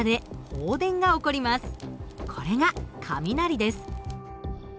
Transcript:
これが雷です。